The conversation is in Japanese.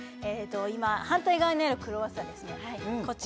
今反対側にあるクロワッサンですこれ？